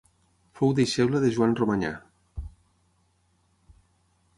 Fou deixeble de Joan Romanyà.